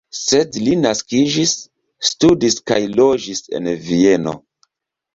Sed li naskiĝis, studis kaj loĝis en Vieno.